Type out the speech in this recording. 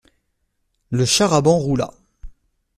Le char-à-bancs roula.